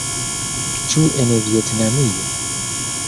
Ĉu en Vjetnamio?